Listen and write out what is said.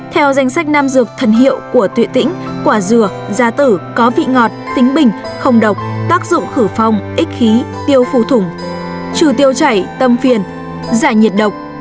theo danh sách nam dược thần hiệu của tuyệt tĩnh quả dừa gia tử có vị ngọt tính bình không độc tác dụng khử phong ích khí tiêu phù thủng trừ tiêu chảy tâm phiền giải nhiệt độc